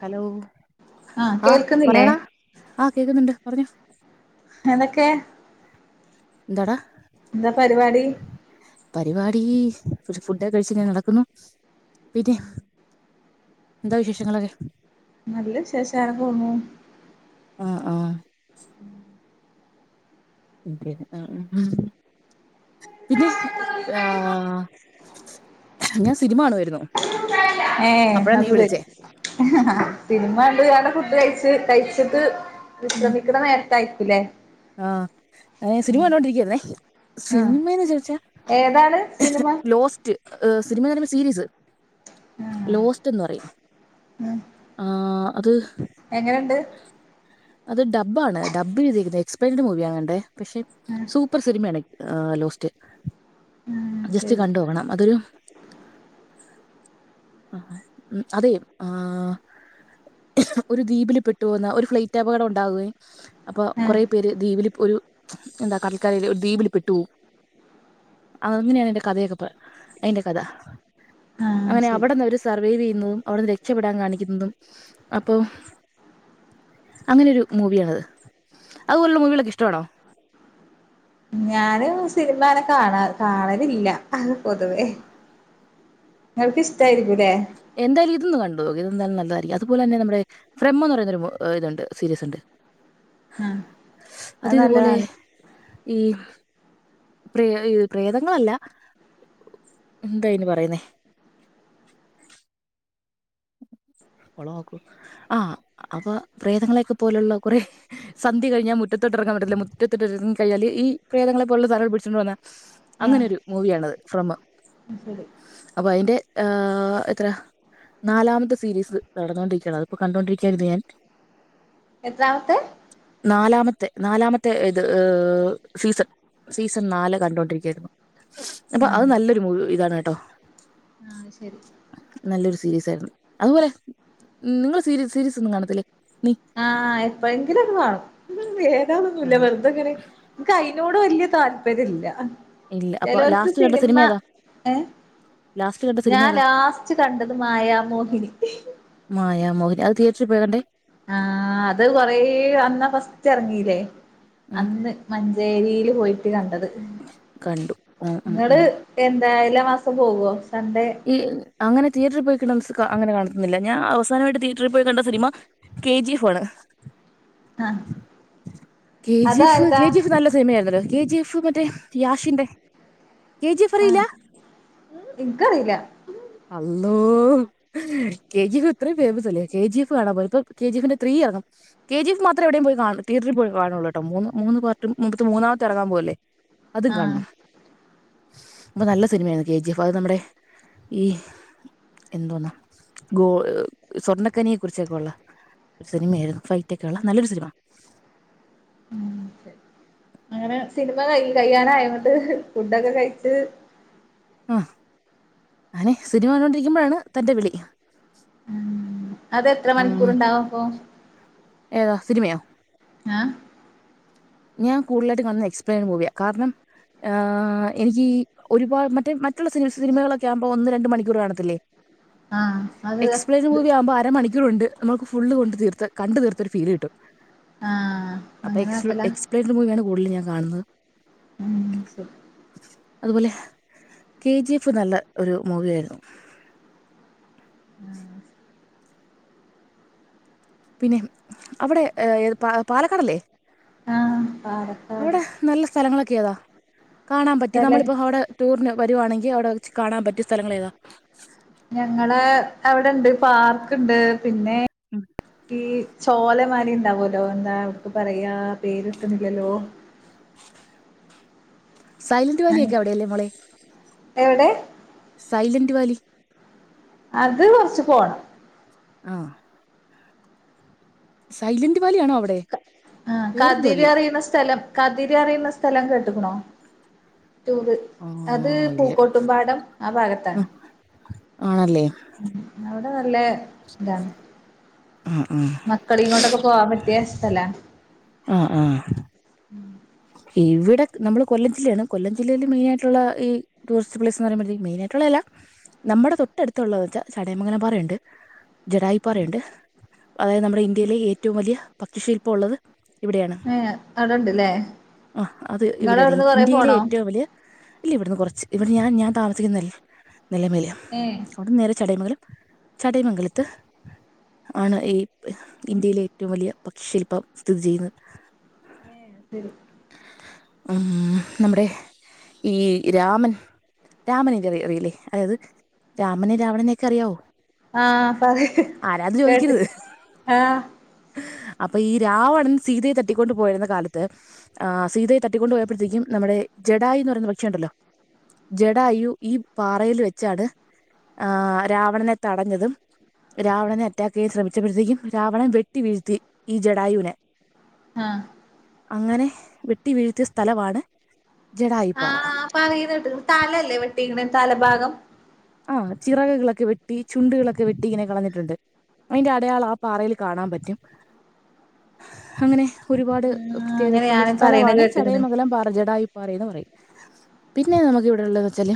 Hello ആഹ് പറെടാ ആഹ് കേക്ക്ന്ന്ണ്ട് പറഞ്ഞോ. ഏതെക്കെ എന്തടാ? എന്താ പരിവാടി? പരിവാടി ഒര് ഫുഡൊക്കെ കഴിച് ങ്ങനെ നടക്കുന്നു [unintelligible] എന്താ വിശേഷങ്ങളൊക്കെ? നല്ല വിശേഷാ അങ്ങനെ പോവുന്നു. ആഹ് ആഹ് അത് ശെരി ആഹ് ആഹ് പിന്നെ ഏഹ് ഞാൻ സിനിമ കാണുവായിരുന്നു. ഏഹ് അത് സെരി സിനമ കണ്ട് കാണ്ട് ഫുഡ്‌ കയിച് കഴിച്ചിട്ട് വിശ്രമിക്ക്ണ നേരത്തായിരിക്കുല്ലേ ആഹ് എഹ് സിനിമ കണ്ടോണ്ടിരിക്കായ്‌ര്ന്നേ സിനിമെന്ന് ചോയിച്ചാ താണ് സിനിമ? ഏഹ് സിനിമന്നങ്കി സീരീസ് ആഹ് ലോസ്റ്റ്ന്ന് പറയും ഉം ആഹ് അത് ണ്ട് അത് ഡബാണ് ഡബെയ്തിക്ക്ന്നെ എക്സ്പെൻഡ് മൂവ്യാ കണ്ടേ പക്ഷെ ആഹ് സൂപ്പർ സിനിമേണ്. ആഹ് ലോസ്റ്റ് ആഹ് ജസ്റ്റ് ശരി കണ്ടോകണം അതൊര് [inaudible] ആഹ് ഉം അതേയ് ആഹ് ഒരു ദ്വീപില് പെട്ട് പോവുന്ന ഒരു ഫ്ലൈറ്റപകടം ഉണ്ടാവുകയും അപ്പൊ ആഹ് കൊറെ ഇതിലിപ്പൊരു എന്താ കടൽക്കരയിൽ ഒര് ദ്വീപിൽ പെട്ട് പോയി. അങ്ങനെണയ്ൻ്റെ കഥയൊക്കെ പ അയ്ന്റെ കഥ ആഹ് അങ്ങനെ ശരി അവടെന്ന് ഒര് സ് സർവൈവെയ്യുന്നും അവട്ന്ന് രക്ഷപ്പെടാൻ കാണിക്കുന്നതും അപ്പൊ അങ്ങനൊരു മൂവ്യാണത്. അതുപോലുള്ള മൂവികലോക്കെഷ്ടമാണോ? ഞാന് സിനിമങ്ങനെ കാണാ കാണലില്ല പൊതുവേ. ഇങ്ങൾക്കിഷ്ടായിരിക്കു ലേ. എന്തായാലും ഇതൊന്ന് കണ്ടോക്ക് ഇതെന്താലും നല്ലതായിരിക്കും അതുപോലെന്നെ നമ്മുടെ ഫ്രംമ് ന്ന് പറയുന്നൊര് മൂ ഏഹ് ത്ണ്ട് സീരീസ്ണ്ട്. ആഹ് അത് ഇതുപോലെ ഈ പ്രേ പ്രേതങ്ങളല്ല എന്താ അയ്ൻ പറയുന്നേ കൊളആക്കൂ. ആഹ് അപ്പൊ പ്രേതങ്ങളെയക്കെ പോലുള്ള കുറെ സന്ധ്യ കഴിഞ്ഞാ മുറ്റത്തോട്ടറാൻ പറ്റില്ല മുറ്റത്തട്ടിറങ്ങി കഴഞ്ഞാല് ഈ പ്രേതങ്ങളെ പോലുള്ള സധനങ്ങൾ പിടിച്ചൊണ്ട വന്നാ ആഹ് അങ്ങനൊരു മൂവിയാണത് ഫ്രം ശരി അപ്പൊ അതിന്റെ ആഹ് എത്ര നാലാമത്തെ സീരീസ് നടന്നൊണ്ടരിക്കുകയാണ് അതിപ്പോ കണ്ടുകൊണ്ടിരിക്കയായിരുന്നു ഞാൻ. എത്രാമത്തെ? നാലാമത്തെ നാലാമത്തെ ഇത് സീസൺ. സീസൺ നാല് കണ്ടൊണ്ടിരിക്കയായിരുന്നു. അപ്പൊ ഉം അത് നല്ലൊരു മൂവി ഇതാണ് കേട്ടോ. ആഹ് അത് ശരി നല്ലൊരു സീരീസ ആയിരുന്നു. അതുപോലെ, നിങ്ങള് സീര സീരീസ് ഒന്നും കാണത്തില്ലേ നീ? ആഹ് എപ്പോഴെങ്കിലും ഒന്ന് കാണും. ഏതാന്നൊന്നുല്ല കാണും വെറുതെങ്ങനെ ൻക്ക് അയിനോട് വല്യ താല്പര്യം ഇല്ല. ഇല്ല അപ്പൊ ചെലോർക്ക് ലാസ്റ്റ് കണ്ട സിനിമ ഏതാ ഏ ലാസ്റ്റ് കണ്ട സിനിമ ഞാൻ ഏതാ ലാസ്റ്റ് കണ്ടത് മായ മോഹിനി. മായമോഹിനി അത് തിയറ്ററി പോയാ കണ്ടേ? ആഹ് അത് കൊറേ അന്ന ഫസ്റ്റ് ഇറങ്ങീല്ലേ ഉം അന്ന് മഞ്ചേരിയില് പോയിട്ട് കണ്ടത് കണ്ടു ഉം ഉം ഇങ്ങള് ഉം എന്താ എല്ലാ മാസം പോകുവോ? സൺഡേ ഈ അങ്ങനെ തിയറ്ററിൽ പോയി അങ്ങനെ കാണുന്നില്ല ഞാൻ അവസാനമായിട്ട് തിയേറ്ററിൽ പോയി കണ്ട സിനിമ കേ ജി എഫ് കാണ് ആഹ് കെ ജി എഫ്, അതാര്താ കെ ജി എഫ് നല്ല സിനിമയായിരുന്നല്ലോ! കെ ജി എഫ് ഷു മറ്റേ യാഷിന്റെ, കെ ജി എഫ് അറില്ല? ആഹ് ഇൻക്കറീല അള്ളോ കെ ജി എഫ് അത്രയും ഫേമസ് അല്ലേ. കെ ജി എഫ് കാണാ പോണു ഈപ്പം കെ ജി എഫിന്റെ ത്രീ ഇറങ്ങും. കെ ജി എഫ് മാത്രം ത്രം എവിടെയും പോയി കാ തീയറ്ററിൽ പോയി കാണുള്ളൂട്ടോ മൂ മൂന്ന് പാർട്ടും മുമ്പത്തെ മൂന്നമത്തെ ഇറങ്ങാൻ പോകല്ലേ? അതും ആഹ് കാണം നല്ല സിനിമയാണ് കെ ജി എഫ് അത് നമ്മുടെ ഈ എന്തോന്നാ ഗോ സ്വർണ്ണക്കനിയെ കുറിച്ചൊക്കെ ഉള്ള ഒരു സിനിമയായിരുന്നു. ഫൈറ്റ് ഒക്കെെയുള്ള നല്ലൊരു സിനിമ. ഉ അങ്ങനെ സിനിമ ക കഴ്യാനായൊ ന്നട്ട് ഫുഡൊക്കെ കഴിച്ച് ആഹ് അങ്ങനെ സിനിമ കണ്ടോണ്ടിരിക്കുമ്പോഴാണ് തന്റെ വിളി ഉം അതെത്ര ഉം, മണിക്കൂർണ്ടാവ അപ്പോ? ഏതാ സിനിമയോ? ഏഹ് ഞാൻ കൂടുതലായിട്ട വന്നത് എക്സ്പ്ലെയിൻ കൂടെയ കാരണം ആ എനിക്ക് ഒരുപാട് മറ്റേ മറ്റുള്ള സിനിമകളൊക്കെ ആകുമ്പോ ഒന്ന് രണ്ട് മണിക്കൂർ കാണത്തില്ലേ ആ അത് എക്സ്പ്ലെയിൻ മൂവി ആവുമ്പോ അരമണി ണ്ട് നമ്മക്ക് ഫുള്ള് കൊണ്ട് തീർത്ത കണ്ട് തീർത്ത ഒരു ഫീൽ കട്ടും ആ അപ്പൊ അങ്ങനെ എക്സ്പ്ലെയിൻ നട്ടലാ മൂവ് ആണ് കൂടുതൽ ഞാൻ കാണുന്നത് ഉം ശരി അതുപോലെ കെ ജി എഫ് നല്ല ഒരു മൂവി ആയിരുന്നു ആഹ് ഉം അവിടെ ഏ പാലക്കാട്‌ അല്ലേ ആ പാലക്കാട് നല്ല സ്ഥലങ്ങളൊക്കെ ഏതാ കാണാൻ പറ്റി സ്ഥലം നമ്മളപ്പോ അവിടെ ടൂറിന് വരുവാണെങ്കിൽ അവിടെ വെച്ച് കാണാൻ പറ്റി സ്ഥലങ്ങൾ ഏതാ ഞങ്ങള അവിടെ ഇണ്ട് പാർക്കുണ്ട് പിന്നെ ഈ ചോലമരം ഉണ്ടാവലോ എന്താ അവക്ക് പറയാ പേര് കിട്ടുന്നില്ലല്ലോ സൈലന്റ് വാലിയൊക്കെ അവിടെല്ലേ മോളെ എവിടെ സൈലന്റ് വാലി അത് കൊറച്ചു പോണം ആഹ സൈലന്റ് വാലിയാണോ അവിടെ ആ വേറെന്തോ കതിര് ഇല്ലേ അറിയുന്ന സ്ഥലം കതിര് പറി ണ സ്ഥലം കേട്ടിട്ടുണ്ടോ ടൂറ് അത് ആഹ് ഇല്ല പൂക്കോട്ടും പാടം ആ ഭാഗത്താണ് ആണല്ലേ ഉ അവിടെ നല്ല ഇതാണ് ആഹ് ആഹ് മക്കളെ കൊണ്ടൊക്കെ പോവാൻ പറ്റിയ സ്ഥലം ആ ആ ഇവിടെ നമ്മള് കൊല്ലം ജില്ലയാണ് കൊല്ലം ജില്ലയില് മെയിൻ ആയിട്ടുള്ള ഈ ടൂറിസ്റ്റ് പ്ലേസ് എഎന്ന് പറയുമ്പോേ മെയിൻ ആയിട്ടുള്ള അല്ല നമ്മുടെ തൊട്ടടുത്തുള്ളത വച്ചാ ചടയം മംഗലം പാറയുണ്ട് ജഡായിപ്പാറയുണ്ട് അതായത് നമ്മുടെ ഇന്ത്യയിലെ ഏറ്റവും വലിയ ഭക്ഷിശില്പം ഉള്ളത് ഇവിടെയാണ് ഏ അത് ഉണ്ടല്ലേ ആ അത് ഇവിടെയാണ് ഇന്ത്യയിലെ ഏറ്റവും വലിയ ഇല്ല ഇവിടുന്ന് കുറച്ച് ഇവിടെ ഞാൻ ഞാൻ താമസിക്കുന്ന നിലമിലാണ് ഏ അവിടുന്ന് നേരെ ചടൈമംഗലം ചടൈമംഗലത്ത് ആണ് ഈ ഇന്ത്യയിലെ ഏറ്റവും വലിയ പക്ഷിശില്പം സ്ഥിതി ചെയ്യുന്നത് ഉം ഉം നമ്മുടെ ഈ രാമൻ രാമനെ അറിയില്ലേ അതായത് രാമനെ രാവണനെയും ഒക്കെ അറിയാവോ ആഹ പറി ആരാ അത് കേട്ട ചോദിക്കരുത് ആഹ അപ്പൊ ഈ രാവണൻ സീതയെ തട്ടിക്കൊണ്ട് പോയിരുന്ന കാലത്ത് ആ സീതയെ തട്ടിക്കൊണ്ട് പോയപ്പെടുത്തേും നമ്മുടെ ജഡായ എന്ന് പറയുന്ന പക്ഷി ഉണ്ടല്ലോ ജഡായു ഈ പാറൽ വെച്ചാണ് ആ രാവണനെ തടഞ്ഞതും രാവണനെ അറ്റാക്ക് ചെയ്യാൻ ശ്രമിച്ചപ്പോഴത്തേക്കും രാവണൻ വെട്ടി വീഴ്ത്തി ഈ ജഡായുവിനെ ആഹ അങ്ങനെ വെട്ടി വീഴ്ത്തിയ സ്ഥലമാണ് ജഡായിപ്പാറ പറിണ കേട്ട്ണ് തലല്ലേ വെട്ടിങ്ങന തല ഭാഗം ആ ചിറകുകളൊക്കെ വെട്ടി ചുണ്ടുകളൊക്കെ വെട്ടി ഇങ്ങനെ കളഞ്ഞിട്ടുണ്ട് അതിന്റെ അടയാള ആ പാറയിൽ കാണാൻ പറ്റും അങ്ങനെ ഒരുപാട് ആ അങ്ങനെ പ്രത്യേകതൊക്കെുള്ളള്ള ഒരു ഞാന് പറയണ സ്ഥലമാണ് കേട്ട്ക്ക്ണ് ചടയമംഗലം പാറജട പറന്ന് പറയും പിന്നെ നമുക്ക് ഇവിടെള്ളന്ന് വെച്ചാല്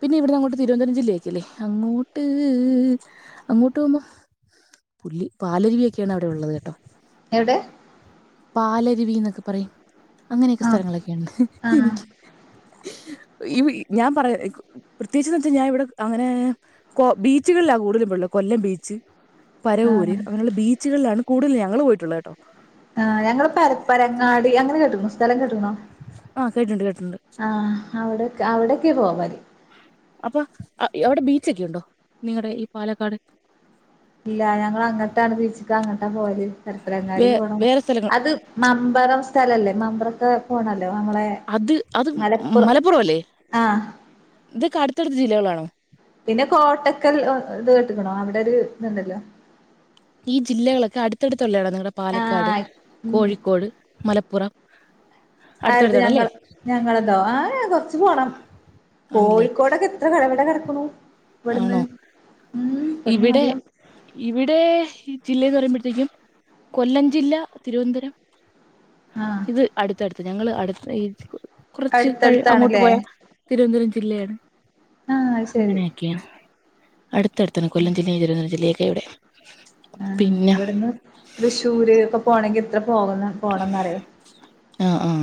പിന്നെ ഇവിടെ നോട്ട തിരുവനന്തപുരം ജില്ലേക്ക അല്ലേ അങ്ങോട്ട് അങ്ങോട്ട് പോകുമ്പോ പുളി പാലരുവി വൊക്കെയാണ് അവിടെ ഉള്ളത് കേട്ടോ എവിടെ പാലരുവി എന്നൊക്കെ പറയും അങ്ങനെയൊക്കെ ആ സ്ഥലങ്ങളൊക്കെുണ്ട് ആ എനിക്ക് ഞാൻ പറയാ പ്രത്യേകിച്ച് ത്തു ഞാൻ ഇവിടെ അങ്ങനെ കൊ ബീച്ചുകളിലാ കൂടുതലും പോയിള്ള കൊല്ലം ബീച്ച് പരവൂര് അങ്ങനെയുള്ള ബീച്ചുകളിലാണ് കൂടുതൽ ഞങ്ങൾ പോയിട്ടുള്ളത് കേട്ടോ ആഹ ഞങ്ങള് പരപ്പരങ്ങാടി അങ്ങനെ കെട്ടുകുണോ സ്ഥലം ക ആഹ കേട്ടുണ്ട് കേട്ടിട്ടുണ്ട് ആഹ അവിടെ അവിടൊക്കെ പോവാ മതി അപ്പൊ അവിടെ ബീച്ചൊക്കെ ഉണ്ടോ നിങ്ങളുടെ ഈ പാലക്കാട് ഇല്ല ഞങ്ങ അങ്ങട്ടാണ് ബീച്ചക്ക് അങ്ങോട്ടാ പോയത് പരപ്പനങ്ങാടി വേ പോണം വേറെ സ്ഥലങ്ങൾ അത് മമ്പറം സ്ഥലല്ലേ മമ്പറത്തെ പോണല്ലോ നമ്മളെ അത് അത് മലപ്പുറം മലപ്പുറ അല്ലേ ആഹ് ഇതൊക്കെ അടുത്തടുത്ത ജില്ലകളാണോ പിന്നെ കോട്ടക്കൽ ഇത് കേട്ടക്കണോ അവിടെ ഒരു ഇതുണ്ടല്ലോ ഈ ജില്ലകളൊക്കെ അടുത്തടുത്തുള്ളതാണ് നിങ്ങളുടെ പാലക്കാട് ആഹ് ഉം കോഴിക്കോട് മലപ്പുറം ആയിത് ഞങ്ങ അടുത്തടുത്താണല്ലേ ഞങ്ങളെന്തോ ആഹ് കൊറച്ച്പോണം ആണല്ലേ കോഴിക്കോടൊക്കെ എത്ര കടവിടെ കിടക്കുന്നു ഇവിടുന്ന് ആണോ ഉം ഇവിടുന്ന് ഇവിടെ നല്ല ഇവിടെ ജില്ലന്ന് പറയുമ്പോഴത്തേക്കും കൊല്ലം ജില്ല തിരുവനന്തപുരം ആഹ ഇത് അടുത്തടുത്ത് ഞങ്ങള്ൾ അടു ഈ കുറച്ച് കഴി അങ്ങോട്ട് അടുത്തടുത്താണല്ലേ പോയാ തിരുവനന്തപുരം ജില്ലയാണ് ആഹ് അത് ശരി അങ്ങനെയൊക്കെയാണ് ഇടുത്താണ് കൊല്ലം ജില്ലയും തിരുന്തര ജില്ലയക്കെവിടെ ആഹ ഇവിടുന്ന് തൃശ്ശൂര് ഇക്കെ പോണെങ്കിൽ ഇത്ര പോകുന്ന പോണംന്ന് അറിയോ ആഹ ആഹ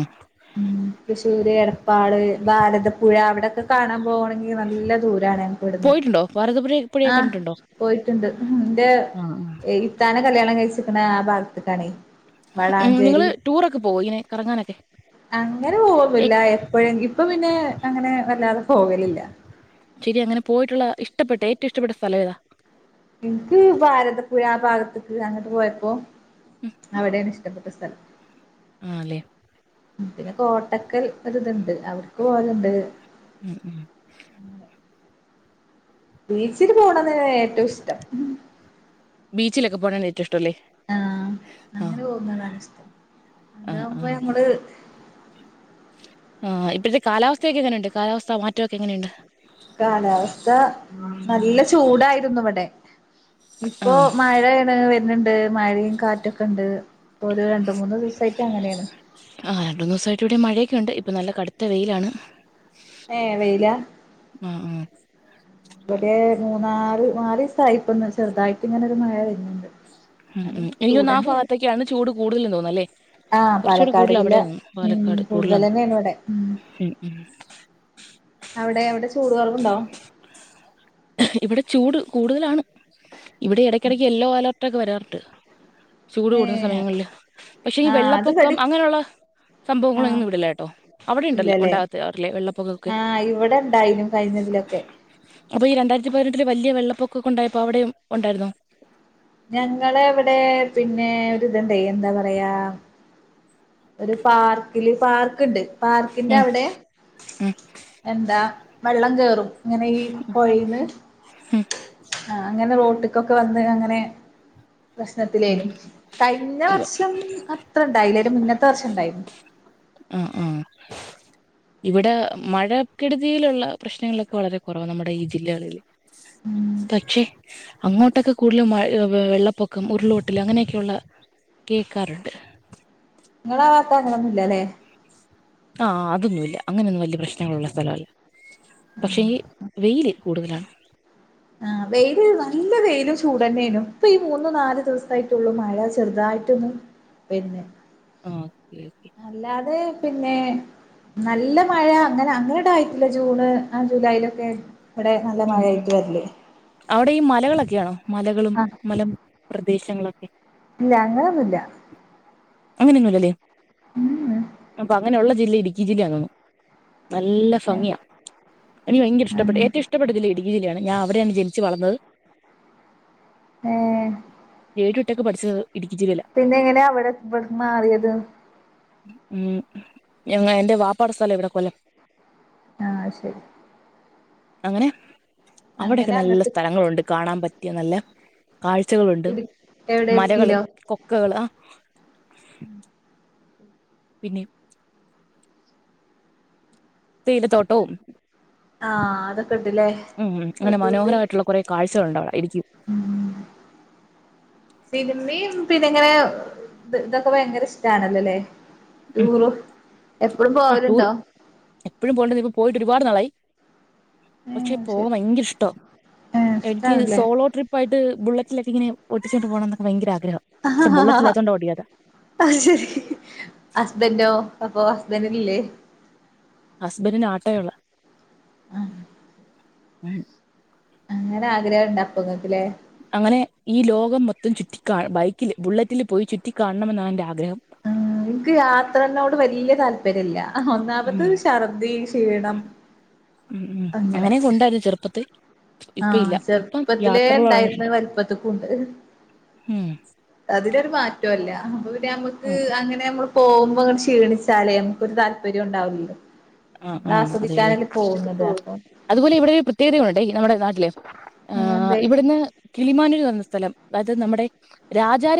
ഉം തൃശ്ശൂര് എടപ്പാട് ഭാരതപ്പുഴ അവിടൊക്കെ കാണാൻ പോകണെങ്കിൽ എഹ നല്ല ദൂരാണ് ഞങ്ങക്കി വിടുന്ന് ഉണ്ടോ ഭാരതപുഴെ ആഹ് പോയിട്ടുണ്ട് എന്റെ ആഹ് ആഹ് ഇതാനേ കല്യാണം കഴിച്ചിരിക്കുന്ന ആഹ ഭാഗത്തക്കാണേ ഉം നിങ്ങള് ടൂറൊക്കെ പോവ ഇങ്ങനെ കറങ്ങാനൊക്കെ അങ്ങനെ പോകന്നില്ല ഏഹ് എപ്പോഴെങ്കും ഇപ്പ പിന്നെ അങ്ങനെ വല്ലാതെ പോകലില്ല ശരി അങ്ങനെ പോയിട്ടുള്ള ഇഷ്ടപ്പെട്ട ഏറ്റവും ഇഷ്ടപ്പെട്ട സ്ഥലം ഏതാ എനിക്ക് ഭാരതപ്പുഴ ആഹ ഭാഗത്തേക്ക് അങ്ങോട്ട് പോയപ്പോ അവിടെയാണ് ഇഷ്ടപ്പെട്ട സ്ഥലം ആല്ലേ പിന്നെ കോട്ടക്കൽ ഒരിത് ണ്ട് അവട്ക്ക് പോലണ്ട് ഉം ഉം ബീച്ചില് പോണതാ ഏറ്റവും ഇഷ്ടം ബീച്ചിലൊക്കെ പോണതാ ഏറ്റവും ഇഷ്ടല്ലേ ആഹ അങ്ങനെ ആഹ് പോകുന്നതാണ് ഇഷ്ടം ആഹ് അതകുമ്പോ ആഹ് ഞമ്മള് ആഹ ഇപ്പോഴത്തെ കാലാവസ്ഥയൊക്കെ എങ്ങനെയുണ്ട് കാലാവസ്ഥാ മാറ്റമൊക്കെ എങ്ങനെയുണ്ട് കാലാവസ്ഥ നല്ല ചൂടായിരുന്നു ഇവിടെ ഇപ്പോ ആഹ് മഴയാണ് വരുന്നുണ്ട് മഴയും കാറ്റൊക്കെ ഉണ്ട് ഒരു രണ്ട മൂന്ന് ദിവസമായിട്ട് അങ്ങനെയാണ് ആഹ രണ്ട് മൂന്ന് ദിവസമായിട്ട് ഇവിടെ മഴയൊക്കെുണ്ട് ഇപ്പൾ നല്ല കടുത്ത വെയിലാണ് ഏ വെയില? ആഹ് ആഹ്. ഇവിടെ ഒരു മൂന്നാല് നാലീ സായിപ്പൊന്ന് ചെറ്തായിട്ട് ഇങ്ങനൊരു മഴ വര്ന്ന്ണ്ട്. ഉം ഉം എനിക്ക് തോന്നു ആ ഫാ ഗത്തേക്കാണ് ചൂട് കൂടുതലും തോന്ന അല്ലേ? ആ കൊറ്ച്ചുടെ പാലക്കാട് കൂടുതൽ ജില്ല അവിടെയാരുന്നു ഉം പാലക്കാട് കൂടുതൽ കൂടുതലാണ് തന്നെയാണ് ഇവിടെ ഉം ഉം. അവിടെ അവിടെ ചൂട് കൊർവുണ്ടോ? ഇവിടെ ചൂട് കൂടുതലാണ് ഇവിടെ ഇടക്കിടയക്ക് യെല്ലോ അലർ ട്ട് വരാറ്ണ്ട് ചൂട് ഏ കൂടുന്ന സമയങ്ങളില് പക്ഷേ ഈ ആ അത് വെള്ളപ്പൊക്കം ഇവിടേം അങ്ങനെയുള്ള ആ സംഭവങ്ങള് ഒന്നും ഇവിടില്ല കേട്ടോ അവടെ ഇണ്ടല്ലോ ഇല്ലല്ലേ ഉണ്ടാകാത്ത [unintelligible] വെള്ളപ്പൊക്കൊക്കെ. ആ ഇവിടെ ഇണ്ടായിനു കഴിഞ്ഞതിലൊക്കെ. അപ്പൊ ഈ രണ്ടായിരത്തി പതിനെട്ടില് വലിയ വെള്ളപ്പൊക്കൊക്കെ ഉണ്ടായപ്പോ അവിടെയും ഉണ്ടായിര്ന്നോ? ഞങ്ങളവിടെ പിന്നെ ഒരുതണ്ടായി എന്താ പറയാ ഒരു പാർക്കില് പാർക്ക്ണ്ട് പാർക്കിന്റെ ഉം അവ്ടെ ഉം എന്താ വെള്ളം കേറും ഇങ്ങനെ ഈ പുഴയിന്ന്. ആഹ് അങ്ങനെ റോട്ടിക്കൊക്കെ വന്ന് അങ്ങനെ പ്രശ്നത്തിലേനു കഴിഞ്ഞ ഉം വർഷം അത്ര ഇണ്ടായില്ലാലും മുന്നത്തെ വർഷം ഉണ്ടായിരുന്നു. അഹ് അഹ്. ഇവിടെ മഴക്കെട്തിയിലുള്ള പ്രശ്നങ്ങളൊക്കെ വളരെ കുറവ് നമ്മുടെ ഈ ജില്ലകളിൽ. ഉം പക്ഷെ അങ്ങോട്ടൊക്കെ കൂടലും മഴ വെള്ളപ്പൊക്കം ഉരുളൊട്ടൽ അങ്ങനെയൊക്കെയുള്ള കേക്കാറുണ്ട്. ഇങ്ങളാ ഭാഗത്ത് അങ്ങനൊന്നുല്ലല്ലെ? ആഹ് അതൊന്നുല്ല അങ്ങനൊന്നും വലിയ പ്രശ്നങ്ങളുള്ള സ്ഥല അല്ല. പക്ഷെ ഈ വെയില് കൂടുതലാണ്. ആഹ് വെയില് നല്ല വെയിലും ചൂടന്നെയിനും ഇപ്പം ഈ മൂന്ന് നാല് ദിവസായിട്ടുള്ളു മഴ ചെറ്തായിട്ടൊന്ന് പിന്നെ. ആഹ് ഓക്കെ ഓക്കെ. അല്ലാതെ പിന്നെ നല്ല മഴ അങ്ങനെ ങ്ങനടയി ല ജൂണ് ആഹ് ജൂലൈലൊക്കെ ഇവിടെ നല്ല ഉം ഉം മഴയായിട്ട് വര്ല്? അവിടെ ഈ മലകളൊക്കെയാണോ മലകളും ആഹ് മലം പ്രദേശങ്ങളൊക്കെ? ഇല്ല അങ്ങനൊന്നുല്ല അങ്ങനൊന്നുല്ലല്ലേ [unintelligible] അങ്ങനെയുള്ള ജില്ല ഇട്ക്കി ജില്ലേണു തോന്നു നല്ല ഫങ്ങിയ എനിക്ക് ഭയങ്കര ഇഷ്ടപ്പെട്ട് ആഹ് ഏറ്റവും ഇഷ്ടം ഇഷ്ടപെട്ട ജില്ല ഇടുക്കി ജില്ലയാണ് ഞാൻ അവിടെയാണ് ജന്ച്ച് വളർന്നത്. ഏഹ് ഏഴു എട്ടൊക്കെ പഠിച്ചത് ഇടുക്കി ജില്ലയിലാ പിന്നെ എങ്ങനായാ അവിടെ ഇവട്ക്ക് മാറിയത്. ഉം ഞങേ എന്റെ വാപ്പാടെ സ്ഥലം ഇവിടെ കൊല്ലം. ആഹ് ശരി. അങ്ങനെ. അങ്ങനെ അവിടെയൊക്കെ നല്ല അങ്ങട്ട് സ്ഥലങ്ങളുണ്ട് കാണാൻ പറ്റിയ നല്ല കാഴ്ചകളുണ്ട്. എവ്ടെ ഇടുക്കിലോ? ക്കേള് ആഹ്. ഉം. പിന്നെയും. തേയിലത്തോട്ടവും. ആഹ് അതൊക്കെ ഇണ്ട്ല്ലേ ഉം ഉം അങ്ങനെ പ്രകൃതി മനോഹരായിട്ടുള്ള കുറെ കാഴ്ചകൾ ഉണ്ടവിടെ ഇടുക്കി. ഉം സിനിമിം പിന്നെ ഇങ്ങനെ ഓഹ് ഇതൊക്കെ ഭയങ്കര ഇഷ്ടണല്ലോല്ലേ ഉം ടൂർ എപ്പളും ആ ടൂർ പോവലുണ്ടോ? എപ്പഴും പോലുണ്ട് ഇപ്പോ പോയിട്ട് ഒരുപാട് നാളായി. പക്ഷെ ഏഹ് പോവാൻ ശരി ഭയങ്കര ഇഷ്ടവാ ഏഹ് ഇൻക്ക് ഇഷ്ടാണല്ലേ സോളോ ട്രിപ്പ് പ്പായിട്ട് ബുള്ളറ്റിലൊക്കെ ഇങ്ങനെ ഓട്ടി ച്ചൊണ്ട് പോകണന്നൊക്കെ ഭയങ്കര ആഗ്രഹം. [unintelligible] ഹസ്ബൻഡോ അപ്പൊ ഹസ്ബൻഡിന് ഇല്ലേ ഹസ്ബന്റിന് ആട്ടൊയുള്ള ആഹ് ഉം അങ്ങനെ ആഗ്രഹണ്ട് അപ്പ ങ്ങക്ക്‌ല്ലേ അങ്ങനെ ഈ ലോകം മൊത്തം ചുറ്റിക്ക ബൈക്കിൽ ബുള്ളറ്റിൽ പോയി ചുറ്റിക്കാണണമെന്നാണ് എന്റെ ആഗ്രഹം ഉം എനിക്ക് യാത്രേനോട് വല്യ താല്പ ര്യല്ല ഉം ഒന്നാമത് ഛർദ്ദി ക്ഷീണം ഉം ഉം അങ്ങനെ അങ്ങനെക്കെ ഒണ്ടാരുന്നു ചെറുപ്പത്തി ഇപ്പ ആഹ് ഇല്ല ഇപ്പം ചെറുപ്പത്തിലേ യാത്രകളോടാണ് ഉണ്ടായിന്ന് ഇഷ്ടം വൽ പ്പത്ക്കുണ്ട് ഉം അതിനൊരു മാറ്റോഇല്ല അപ്പ പിന്നെ നമ്മുക്ക് ഉം അങ്ങനെ നമ്മ പോകുമ്പ ങ്ങട്ട് ക്ഷീണിച്ചാലേ നമുക്കൊരു താല്പര്യം ഉണ്ടാവൂല്ലല്ലോ ആഹ് നമ്മള് ആഹ് അതെല്ലേ ആസ്വദിക്കാനല്ലേ പോകുന്നത് അപ്പം അതുപോലെ ഇവിടെ ഒരു പ്രത്യേകതയുണ്ട് ഈ നമ്മുടെ നാട്ടിലെഏഹ് എന്തേ ഇവിടുന്ന് കിളിമാനൂര് പറഞ്ഞ സ്ഥലം അതായത് നമ്മുടെ രാജര